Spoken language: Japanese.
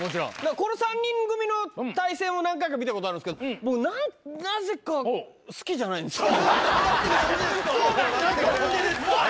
この３人組の態勢も何回か見たことあるんですけど、僕なぜか好きなんでですか。